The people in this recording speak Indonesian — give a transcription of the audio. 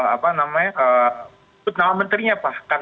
apa namanya nama menterinya bahkan